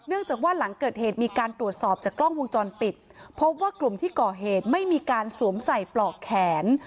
จากว่าหลังเกิดเหตุมีการตรวจสอบจากกล้องวงจรปิดพบว่ากลุ่มที่ก่อเหตุไม่มีการสวมใส่ปลอกแขน